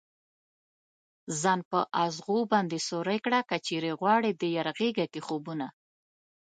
ځان په ازغو باندې سوری كړه كه چېرې غواړې ديار غېږه كې خوبونه